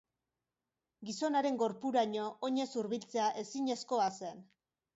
Gizonaren gorpuraino oinez hurbiltzea ezinezkoa zen.